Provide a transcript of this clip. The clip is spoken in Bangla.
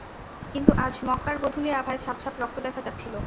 কিন্তু আজ মক্কার গোধুলি আভায় ছাপ ছাপ রক্ত দেখা যাচ্ছিল।